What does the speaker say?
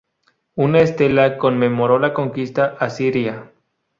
Una estela conmemoró la conquista asiria.